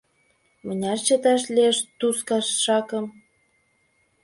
— Мыняр чыташ лиеш Туз кашакым?!